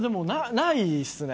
ないですね。